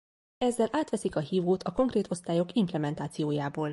Ezzel átveszik a hívót a konkrét osztályok implementációjából.